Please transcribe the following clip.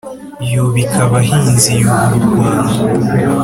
yubika abahinza yubura u rwanda